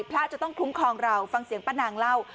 พระจะต้องคุ้มครองเราฟังเสียงป้านางเล่า